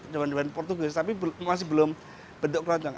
jualan jualan portugis tapi masih belum bentuk keroncong